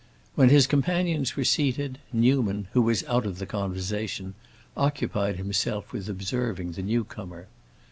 When his companions were seated, Newman, who was out of the conversation, occupied himself with observing the newcomer.